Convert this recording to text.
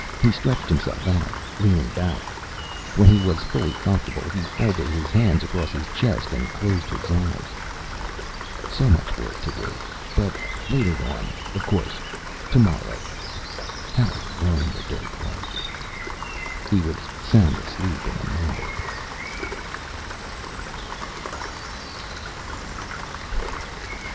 He stretched himself out, leaning back. When he was fully comfortable he folded his hands across his chest and closed his eyes. So much work to do But later on, of course. Tomorrow. How warm the dirt was.... He was sound asleep in a moment.